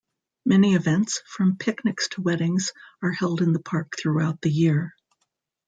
Many events, from picnics to weddings, are held in the park throughout the year.